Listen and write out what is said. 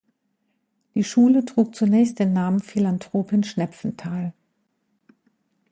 Die Schule trug zunächst den Namen „Philanthropin Schnepfenthal“.